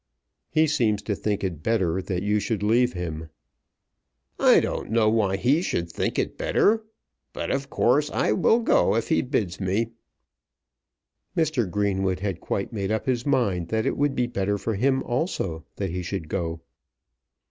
"He seems to think it better that you should leave him." "I don't know why he should think it better; but, of course, I will go if he bids me." Mr. Greenwood had quite made up his mind that it would be better for him also that he should go.